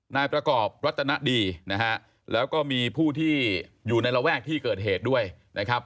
นายประกอบรัตนดีนะฮะแล้วก็มีผู้ที่อยู่ในระแวกที่เกิดเหตุด้วยนะครับ